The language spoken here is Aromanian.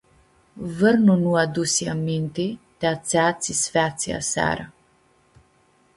Vãrnu nu adusi a minti ti atsea tsi s-featsi aseara.